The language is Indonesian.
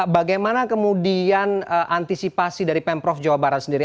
bagaimana kemudian antisipasi dari pemprov jawa barat sendiri